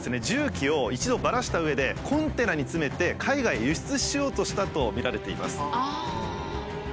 重機を一度ばらしたうえでコンテナに詰めて海外へ輸出しようとしたとみられています。